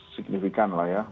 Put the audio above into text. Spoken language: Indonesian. signifikan lah ya